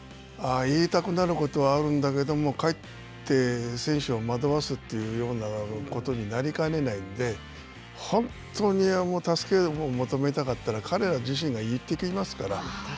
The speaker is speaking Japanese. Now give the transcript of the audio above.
言いたくなることはあるんだけども、かえって選手を惑わすというようなことになりかねないんで、本当に助けを求めたかったら、彼ら自身が言ってきますから。